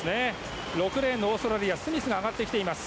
６レーンのオーストラリアのスミスが上がってきています。